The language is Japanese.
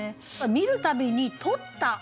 「見る度に撮った」。